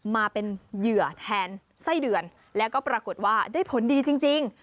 มาเป็นเหยื่อแทนไส้เดือนแล้วก็ปรากฏว่าได้ผลดีจริง